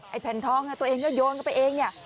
แผ่นทองตัวเองก็โยนเข้าไปเองเนี่ย